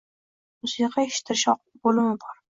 Musiqa eshittirish bo‘limi bor.